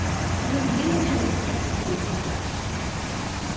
Yendi Muḥend tifexxtin.